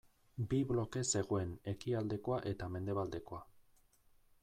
Bi bloke zegoen ekialdekoa eta mendebaldekoa.